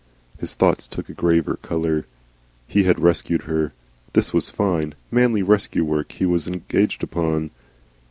His thoughts took a graver colour. He had rescued her. This was fine, manly rescue work he was engaged upon.